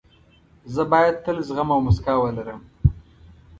زه باید تل زغم او موسکا ولرم.